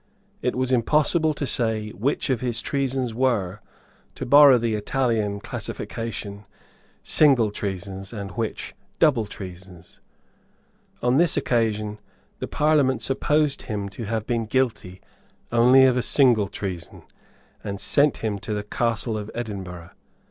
It was impossible to say which of his treasons were, to borrow the Italian classification, single treasons, and which double treasons. On this occasion the Parliament supposed him to have been guilty only of a single treason, and sent him to the Castle of Edinburgh.